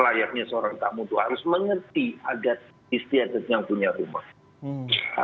layaknya seorang tamu itu harus mengerti agar istiadat yang punya rumah